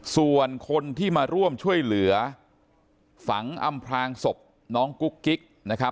ส่วนคนที่มาร่วมช่วยเหลือฝังอำพลางศพน้องกุ๊กกิ๊กนะครับ